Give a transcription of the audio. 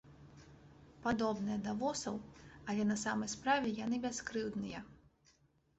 Падобныя да восаў, але на самай справе яны бяскрыўдныя.